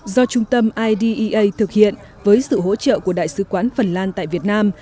do trung tâm idea thực hiện với sự hỗ trợ của đại sứ quán phần lan tại việt nam